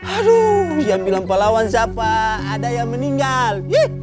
aduh yang bilang pahlawan siapa ada yang meninggal